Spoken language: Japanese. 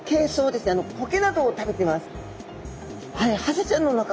コケなどを食べてます。